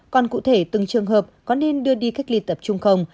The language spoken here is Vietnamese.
còn cụ thể từng trường hợp có nên đưa đi cách ly tập trung không